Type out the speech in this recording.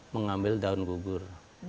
mengambil daun gugur